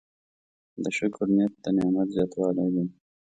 د شکر نیت د نعمت زیاتوالی دی.